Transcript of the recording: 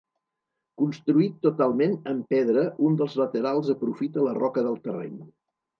Construït totalment amb pedra un dels laterals aprofita la roca del terreny.